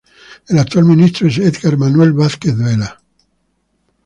El actual ministro es Edgar Manuel Vásquez Vela.